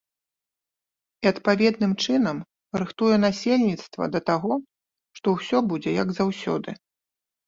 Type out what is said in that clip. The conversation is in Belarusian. І адпаведным чынам рыхтуе насельніцтва да таго, што ўсё будзе, як заўсёды.